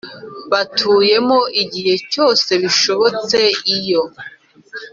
batuyemo Igihe cyose bishobotse iyo